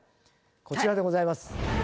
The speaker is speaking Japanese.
こちらでございます。